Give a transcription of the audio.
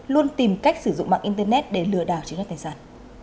luôn tìm cách sử dụng mạng internet để lừa đào chứng đoạt tài sản